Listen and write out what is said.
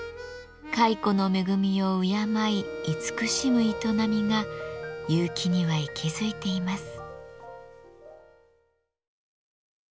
蚕の恵みを敬い慈しむ営みが結城には息づいています。